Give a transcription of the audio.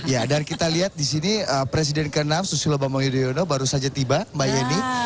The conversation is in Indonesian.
ya dan kita lihat di sini presiden ke enam susilo bambang yudhoyono baru saja tiba mbak yeni